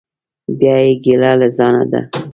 بیا یې ګیله له ځانه ده.